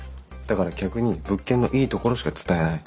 だから客に物件のいいところしか伝えない。